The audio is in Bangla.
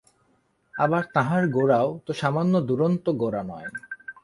আবার তাঁহার গোরাও তো সামান্য দুরন্ত গোরা নয়।